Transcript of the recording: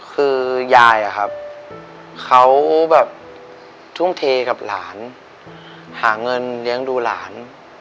คือยายเขาทุ่มเทกับหลานหาเงินเลี้ยงดูหลาน